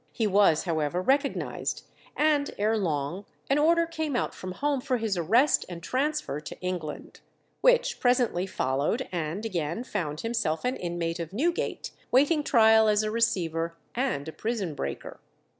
He was, however, recognized, and ere long an order came out from home for his arrest and transfer to England, which presently followed, and he again found himself an inmate of Newgate, waiting trial as a receiver and a prison breaker.